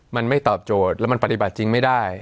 มันไม่ตอบโจทย์แล้วมันปฏิบัติจริงไม่ได้